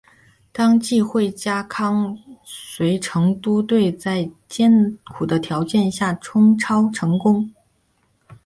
当季惠家康随成都队在艰苦的条件下冲超成功。